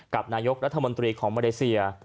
กับนายกรัฐมนตรีของมาเลเซีย